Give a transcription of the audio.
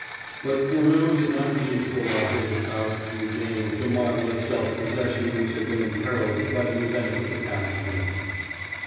But Furneaux did not mean to allow Hylda Prout to regain the marvelous self possession which had been imperiled by the events of the past minute.